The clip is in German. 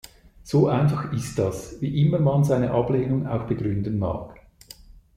So einfach ist das, wie immer man seine Ablehnung auch begründen mag.